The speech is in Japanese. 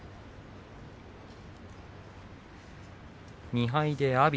２敗で阿炎。